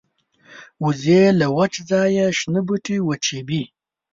وزې له وچ ځایه شنه بوټي وچيبي